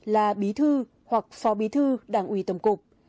là bí thư hoặc phó bí thư đảng ủy tổng cục